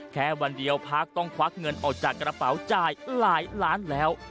แค่วันเดียวพักต้องควักเงินออกจากกระเป๋าจ่ายหลายล้านแล้ว